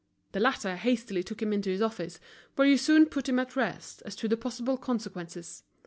The latter hastily took him into his office, where he soon put him at rest as to the possible consequences.